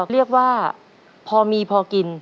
เรียกว่าพอมีพอกิน